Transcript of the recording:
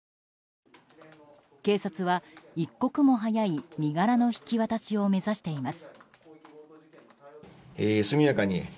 警察は一刻も早い身柄の引き渡しを目指しています。